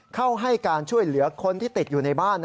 เข้าให้การช่วยเหลือคนที่ติดอยู่ในบ้าน